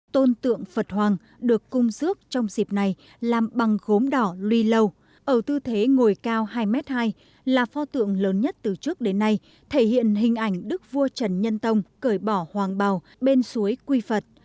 tôn tượng phật hoàng được cung dước trong dịp này làm bằng gốm đỏ lùi lâu ở tư thế ngồi cao hai m hai là pho tượng lớn nhất từ trước đến nay thể hiện hình ảnh đức vua trần nhân tông cởi bỏ hoàng bào bên suối quy phật